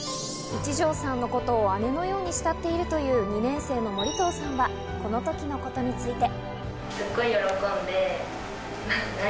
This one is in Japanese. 一条さんのことを姉のように慕っているという２年生の盛藤さんはこの時のことについて。